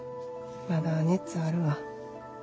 まだ熱あるわ。